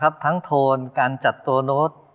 ตราบที่ทุกลมหายใจขึ้นหอดแต่ไอ้นั้น